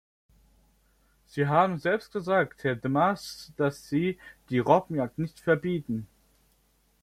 Sie haben selbst gesagt, Herr Dǐmas, dass Sie die Robbenjagd nicht verbieten.